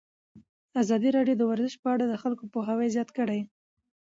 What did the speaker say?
ازادي راډیو د ورزش په اړه د خلکو پوهاوی زیات کړی.